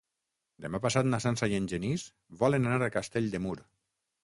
Demà passat na Sança i en Genís volen anar a Castell de Mur.